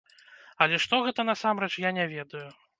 Але што гэта, насамрэч, я не ведаю.